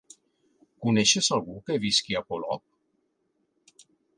Coneixes algú que visqui a Polop?